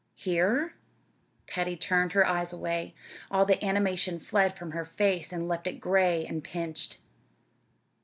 "Here?" Patty turned her eyes away. All the animation fled from her face and left it gray and pinched.